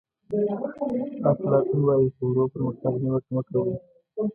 افلاطون وایي په ورو پرمختګ نیوکه مه کوئ.